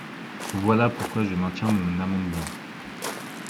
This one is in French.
Voilà pourquoi je maintiens mon amendement.